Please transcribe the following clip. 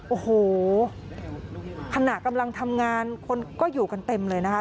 โอ้โหขณะกำลังทำงานคนก็อยู่กันเต็มเลยนะคะ